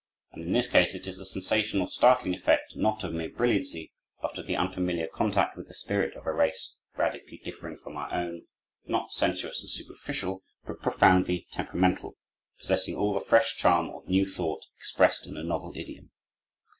And, in this case, it is the sensation, or startling effect, not of mere brilliancy, but of the unfamiliar contact with the spirit of a race radically differing from our own; not sensuous and superficial, but profoundly temperamental, possessing all the fresh charm of new thought expressed in a novel idiom.